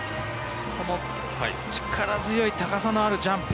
力強い高さのあるジャンプ。